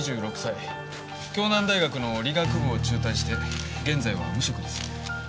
京南大学の理学部を中退して現在は無職です。